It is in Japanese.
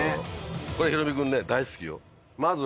これヒロミ君ね大好きよ。